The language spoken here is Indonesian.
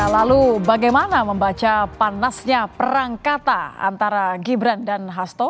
lalu bagaimana membaca panasnya perang kata antara gibran dan hasto